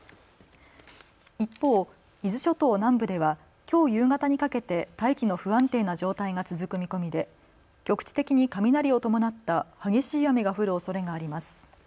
一方、伊豆諸島南部ではきょう夕方にかけて大気の不安定な状態が続く見込みで局地的に雷を伴った激しい雨が降るおそれがあります。